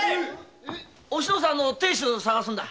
おしのさんの亭主を捜すんだ！